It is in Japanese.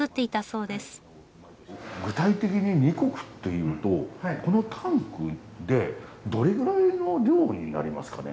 具体的に２石というとこのタンクでどれぐらいの量になりますかね？